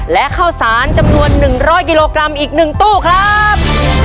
และข้าวสารจำนวน๑๐๐กิโลกรัมอีก๑ตู้ครับ